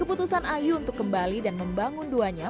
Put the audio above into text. keputusan ayu untuk kembali dan membangun duanya